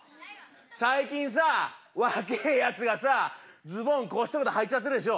最近さ若えやつがさズボンこうしてまではいちゃってるでしょ。